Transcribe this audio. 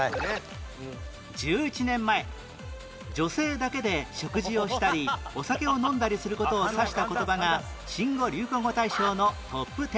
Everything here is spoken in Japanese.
１１年前女性だけで食事をしたりお酒を飲んだりする事を指した言葉が新語・流行語大賞のトップテンに